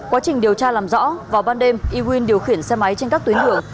quá trình điều tra làm rõ vào ban đêm yguin điều khiển xe máy trên các tuyến hưởng